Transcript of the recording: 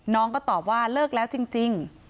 น้องก็ตอบว่าเลิกแล้วจริง